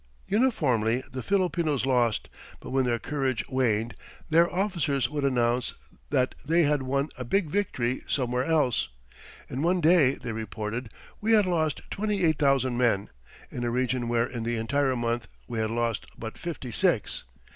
Uniformly the Filipinos lost, but when their courage waned their officers would announce that they had won a big victory somewhere else. In one day, they reported, we had lost twenty eight thousand men, in a region where in the entire month we had lost but fifty six.